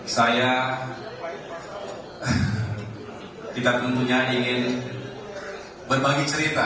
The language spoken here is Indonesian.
saya tidak tentunya ingin berbagi cerita